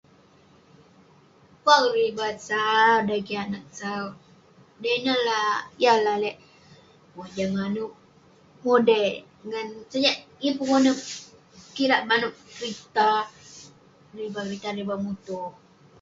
Pun akouk deriba sau dan kik anag sau. Dai ineh lah yeng akouk lalek mojam manouk. Modai ngan sajak yeng pun konep kirak manouk ngan kerita- deriba kerita, deriba muto.